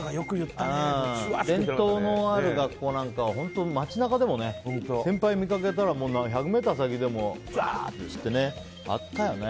伝統のある学校なんかは街中でも先輩を見かけたら１００ｍ先でもとか、あったよね。